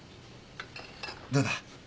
どうだ？